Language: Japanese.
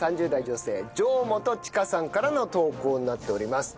女性上本千夏さんからの投稿になっております。